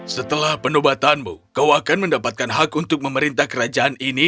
setelah penobatanmu kau akan mendapatkan hak untuk memerintah kerajaan ini